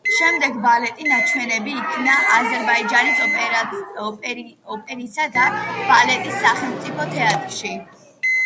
შემდეგ ბალეტი ნაჩვენები იქნა აზერბაიჯანის ოპერისა და ბალეტის სახელმწიფო თეატრში.